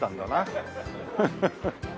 ハハハッ。